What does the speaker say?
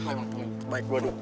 emang baik gua du